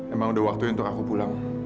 emang udah waktu untuk aku pulang